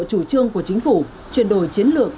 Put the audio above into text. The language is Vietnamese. chủ trương của chính phủ chuyển đổi chiến lược